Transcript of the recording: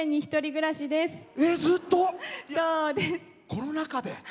コロナ禍で。